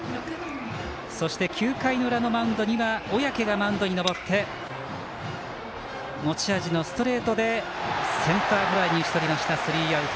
そして９回の裏のマウンドには小宅がマウンドに登って持ち味のストレートでセンターフライに打ち取りましたスリーアウト。